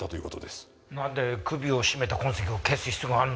なんで首を絞めた痕跡を消す必要があるの？